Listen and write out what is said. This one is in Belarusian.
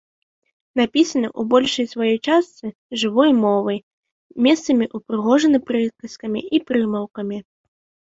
Напісаны ў большай сваёй частцы жывой мовай, месцамі ўпрыгожаны прыказкамі і прымаўкамі.